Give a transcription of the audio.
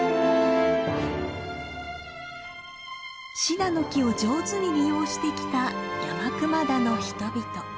シナノキを上手に利用してきた山熊田の人々。